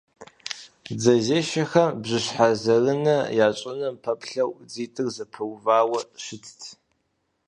Дзэзешэхэм бжыщхьэзэрынэ ящӀыным пэплъэу дзитӀыр зэпэувауэ щытт.